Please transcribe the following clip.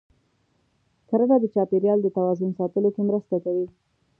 کرنه د چاپېریال د توازن ساتلو کې مرسته کوي.